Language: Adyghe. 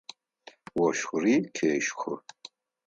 Ощхыри къещхы.